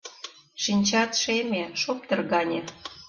Шинчат шеме, шоптыр гане